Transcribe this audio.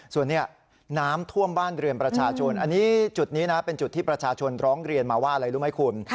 ส่วนนี้น้ำท่วมบ้านเรือนประชาชนอันนี้จุดนี้นะเป็นจุดที่ประชาชนร้องเรียนมาว่าอะไรรู้ไหมคุณ